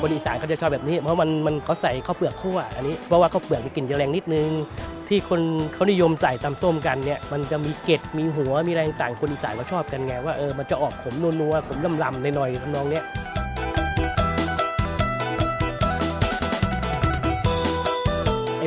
อีสานเขาจะชอบแบบนี้เพราะมันเขาใส่ข้าวเปลือกคั่วอันนี้เพราะว่าข้าวเปลือกมีกลิ่นจะแรงนิดนึงที่คนเขานิยมใส่ตำส้มกันเนี่ยมันจะมีเกร็ดมีหัวมีอะไรต่างคนอีสานเขาชอบกันไงว่ามันจะออกขมนัวขมลำหน่อยทำนองเนี้ย